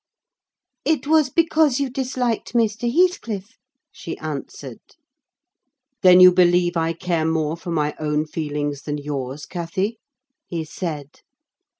"It was because you disliked Mr. Heathcliff," she answered. "Then you believe I care more for my own feelings than yours, Cathy?" he said.